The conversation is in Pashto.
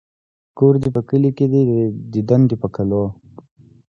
ـ کور دې په کلي کې دى ديدن د په کالو.